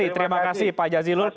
terima kasih pak jazilul